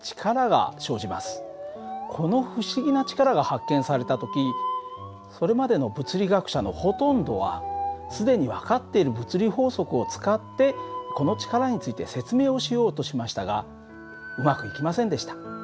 この不思議な力が発見された時それまでの物理学者のほとんどは既に分かっている物理法則を使ってこの力について説明をしようとしましたがうまくいきませんでした。